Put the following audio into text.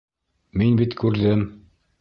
Мин бит күрҙем.